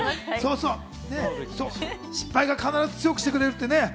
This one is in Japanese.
失敗が必ず強くしてくれる。